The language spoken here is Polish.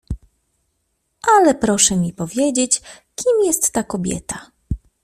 "Ale proszę mi powiedzieć, kim jest ta kobieta?"